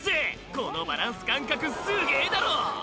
「このバランス感覚すげぇだろ！」